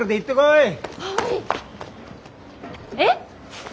えっ！？